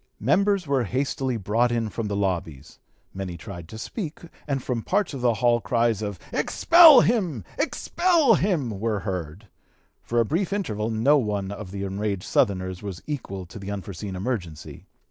Members were hastily brought in from the lobbies; many tried to speak, and from parts of the hall cries of "Expel him! Expel him!" were heard. For a brief interval no one of the enraged Southerners was equal to the unforeseen emergency.